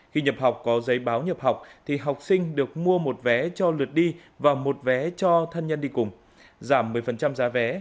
khi nhập học có giấy báo nhập học thì học sinh được mua một vé cho lượt đi và một vé cho thân nhân đi cùng giảm một mươi giá vé